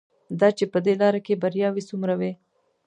دا چې په دې لاره کې بریاوې څومره وې.